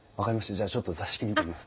じゃあちょっと座敷見てみます。